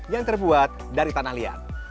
yang terbuat dari tanah liat